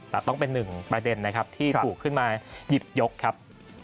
แต่ต้องเป็นหนึ่งประเด็นนะครับที่ถูกขึ้นมาหยิบยกครับ